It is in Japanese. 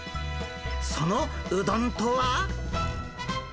そのうどんとは。